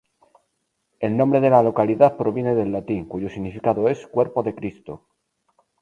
El nombre de la localidad proviene del latín, cuyo significado es "Cuerpo de Cristo".